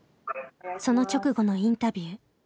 その直後のインタビュー。